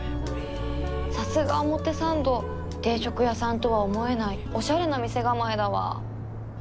さすが表参道定食屋さんとは思えないおしゃれな店構えだわ